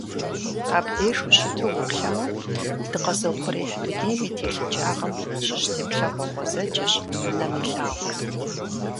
Абдеж ущыту уплъэмэ, дыкъэзыухъуреихь дунейм и телъыджагъым щыщ теплъэгъуэ гъуэзэджэщ нэм илъагъур.